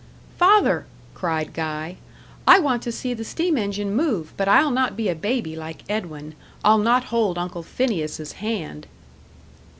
"Father," cried Guy, "I want to see the steam engine move, but I'll not be a baby like Edwin; I'll not hold Uncle Phineas' hand."